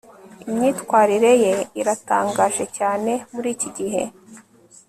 imyitwarire ye iratangaje cyane muri iki gihe